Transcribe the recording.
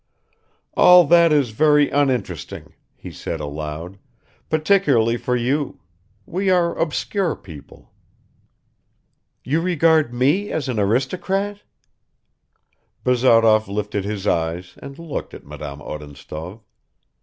"All that is very uninteresting," he said aloud, "particularly for you. We are obscure people." "You regard me as an aristocrat?" Bazarov lifted his eyes and looked at Madame Odintsov.